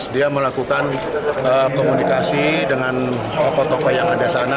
dia melakukan komunikasi dengan tokoh tokoh yang ada sana